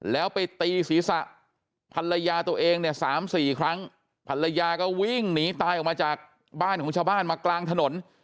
แล้วไปตีศีรษะภรรยาตัวเองเนี่ยสามสี่ครั้งภรรยาก็วิ่งหนีตายออกมาจากบ้านของชาวบ้านมากลางถนน